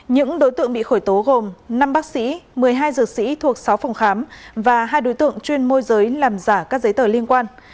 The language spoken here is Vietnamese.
những đối tượng bị khởi tố gồm năm bác sĩ một mươi hai dược sĩ thuộc sáu phòng khám và hai đối tượng chuyên môi giới làm giả các giấy tờ liên quan